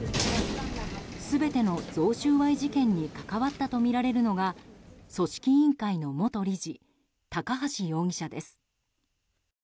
全ての贈収賄事件に関わったとみられるのが組織委員会の元理事高橋容疑者です。